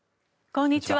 こんにちは。